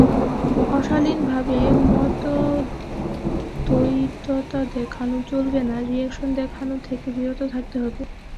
অশালীনভাবে মতদ্বৈধতা দেখানো চলবে না, রিঅ্যাকশন দেখানো থেকে বিরত থাকতে হবে।